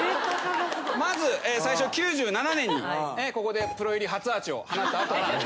まず最初９７年にここでプロ入り初アーチを放った後